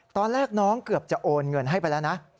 ตอนแรกน้องเกือบจะโอนเงินให้ไปแล้วนะ